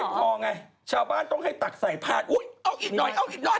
เอาอีกหน่อยเอาอีกหน่อย